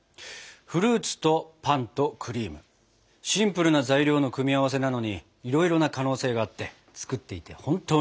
フルーツとパンとクリームシンプルな材料の組み合わせなのにいろいろな可能性があって作っていて本当に楽しかったです。